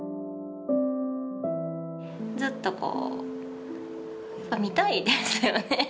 ずっとこうやっぱ診たいですよね。